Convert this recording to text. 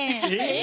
え？